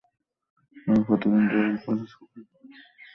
তুমি প্রতিদিন যা-ই করো, সবকিছুর ফলাফল নির্ভর করে একটা জিনিসের ওপর—আত্মবিশ্বাস।